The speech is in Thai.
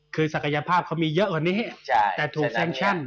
คือศักยภาพเขามีเยอะกว่านี้แต่ถูกแซงชั่น